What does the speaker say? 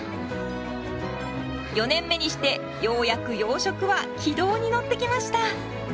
４年目にしてようやく養殖は軌道に乗ってきました。